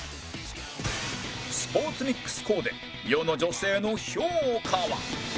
スポーツ ＭＩＸ コーデ世の女性の評価は？